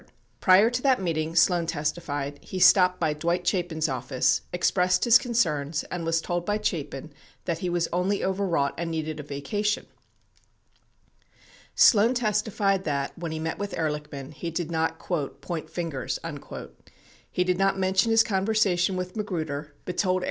Prior to that meeting, Sloan testified, he stopped by Dwight Chapin's office, expressed his concerns, and was told by Chapin that he was only overwrought and needed a vacation. 66 Sloan testified that, when he met with Ehrlichman, he did not "point fingers." He did not mention his conversation with Magruder, but told w 6 Hearings 2288 89, 2304.